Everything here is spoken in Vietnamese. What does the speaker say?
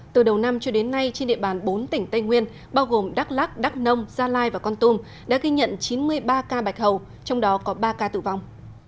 từ đầu năm cho đến nay trên địa bàn bốn tỉnh tây nguyên bao gồm đắk lắc đắk nông gia lai và con tum đã ghi nhận chín mươi ba ca bạch hầu trong đó có ba ca tử vong